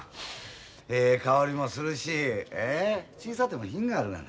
ええ香りもするしちいそうても品があるがな。